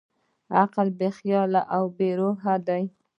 عقل بېخیاله بېروحه دی.